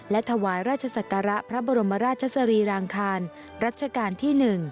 และถวายราชศักระพระบรมราชสรีรางคารรัชกาลที่๑